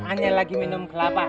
anya lagi minum kelapa